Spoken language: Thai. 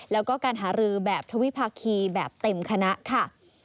แล้วก็การหารือแบบทวิภาคีแบบเต็มคณะค่ะ